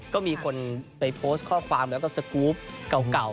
ก็มีคนไปโพสต์ข้อความแล้วก็สกรูปเก่า